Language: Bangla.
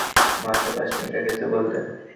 মাত্র পাঁচমিনিট আগেই তো বললে।